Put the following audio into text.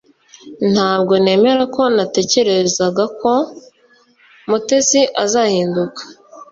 Ntabwo nemera ko natekerezaga ko Mutesi azahinduka